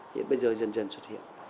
thì bây giờ dần dần xuất hiện